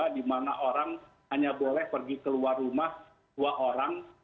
di mana orang hanya boleh pergi keluar rumah dua orang